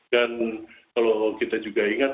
dan kalau kita juga ingat